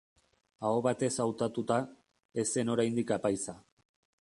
Aho batez hautatua, ez zen oraindik apaiza.